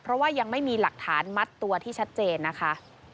เพราะว่ายังไม่มีหลักฐานมัดตัวที่ชัดเจนนะคะ